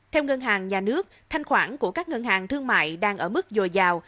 theo ngân hàng nhà nước thanh khoản của các ngân hàng thương mại đang ở mức dồi dào